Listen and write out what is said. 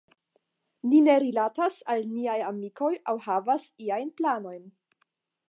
Ni ne rilatas al niaj amikoj aŭ havas iajn planojn.